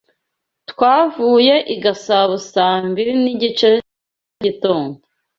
Twavuye i Gasabo saa mbiri nigice za mugitondo.